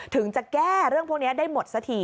ถึงจะแก้เรื่องพวกนี้ได้หมดสักที